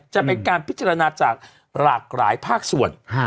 จะเป็นการพิจารณาจากหลากหลายภาคส่วน